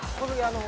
あの